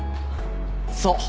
そう。